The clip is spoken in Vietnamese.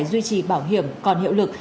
duy trì bảng hiểm còn hiệu lực